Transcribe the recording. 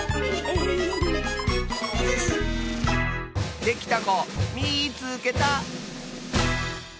できたこみいつけた！